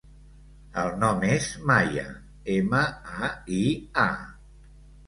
El nom és Maia: ema, a, i, a.